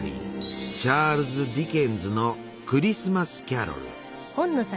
チャールズ・ディケンズの「クリスマス・キャロル」。